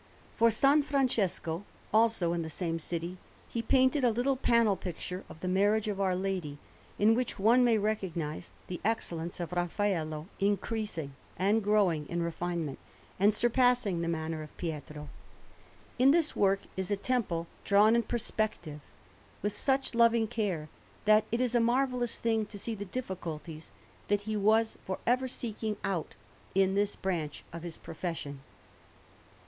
For S. Francesco, also in the same city, he painted a little panel picture of the Marriage of Our Lady, in which one may recognize the excellence of Raffaello increasing and growing in refinement, and surpassing the manner of Pietro. In this work is a temple drawn in perspective with such loving care, that it is a marvellous thing to see the difficulties that he was for ever seeking out in this branch of his profession.